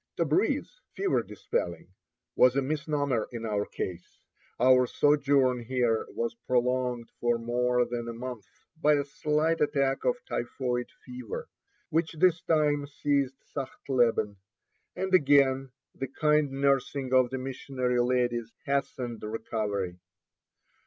Tabreez (fever dispelling) was a misnomer in our case. Our sojourn here was prolonged for more than a month by a slight attack of typhoid fever, which this time seized Sachtleben, and again the kind nursing of the missionary ladies hastened recovery.